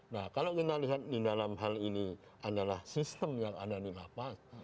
nah kalau kita lihat di dalam hal ini adalah sistem yang ada di lapas